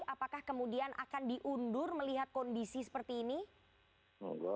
apakah kemudian akan diundur melihat kondisi seperti ini